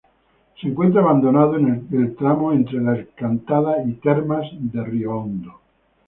Se encuentra abandonado el tramo entre La Encantada y Termas de Río Hondo.